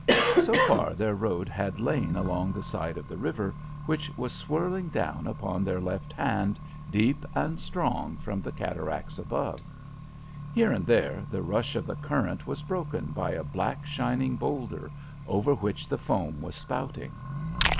So far their road had lain along the side of the river, which was swirling down upon their left hand deep and strong from the cataracts above. Here and there the rush of the current was broken by a black shining boulder over which the foam was spouting.